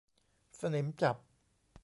สนิมจับ